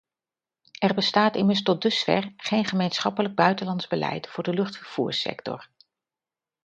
Er bestaat immers tot dusver geen gemeenschappelijk buitenlands beleid voor de luchtvervoersector.